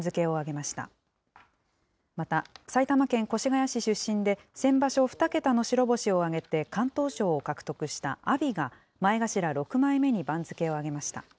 また、埼玉県越谷市出身で、先場所２桁の白星を挙げて敢闘賞を獲得した阿炎が、前頭６枚目に番付を上げました。